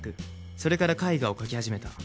それから絵画を描き始めた